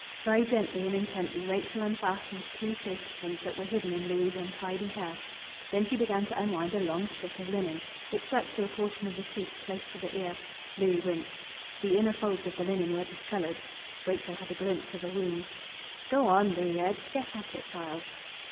Very gently and intently Rachel unfastened two safety pins that were hidden in Louis' untidy hair. Then she began to unwind a long strip of linen. It stuck to a portion of the cheek close to the ear. Louis winced. The inner folds of the linen were discoloured. Rachel had a glimpse of a wound.... "Go on!" Louis urged. "Get at it, child!"